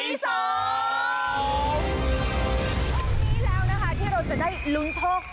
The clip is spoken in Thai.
วันนี้แล้วนะคะที่เราจะได้ลุ้นโชค